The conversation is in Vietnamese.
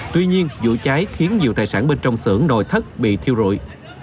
tuy nhiên vụ cháy khiến nhiều tài sản bên trong xưởng nội thất bị thiêu rụi